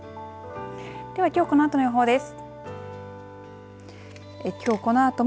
ではきょうこのあとの予報です。